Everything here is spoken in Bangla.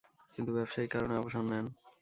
কিন্তু ব্যবসায়িক কারণে অবসর নেন।